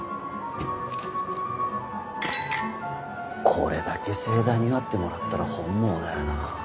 これだけ盛大に祝ってもらったら本望だよなぁ。